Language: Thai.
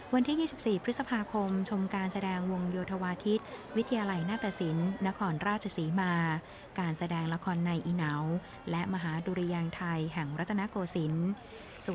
วันที่๒๔พฤษภาคมชมการแสดงวงโยธวาทิศวิทยาลัยหน้าตสินนครราชศรีมาการแสดงละครในอีเหนาและมหาดุริยางไทยแห่งรัฐนาโกศิลป์